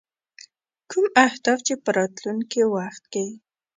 کوم اهداف چې په راتلونکي وخت کې.